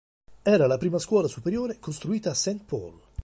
Era la prima scuola superiore costruita a Saint Paul.